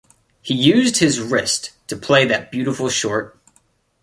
He used his wrist to play that beautiful short.